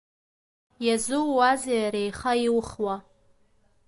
Иазууазеи ари аиха иухуа?